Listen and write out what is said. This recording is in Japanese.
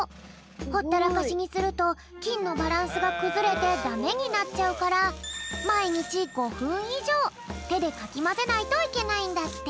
ほったらかしにするときんのバランスがくずれてダメになっちゃうからまいにち５ふんいじょうてでかきまぜないといけないんだって。